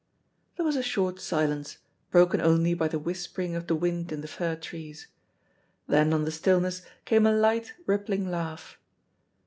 There was a short silence, broken only by the whispering of the wind in the fir trees. Then on the stillness came a light, rippling laugh.